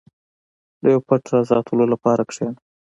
• د یو پټ راز ساتلو لپاره کښېنه.